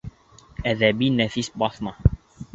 Әҙәби-нәфис баҫма